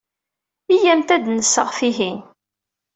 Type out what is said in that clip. Iyyamt ad d-nseɣ tihin.